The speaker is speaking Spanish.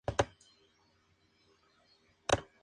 El tercero lo publicó "El Minuto", suplemento de "La Hora", núm.